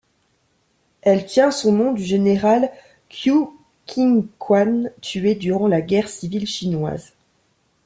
Elle tient son nom du général Qiu Qingquan tué durant la guerre civile chinoise.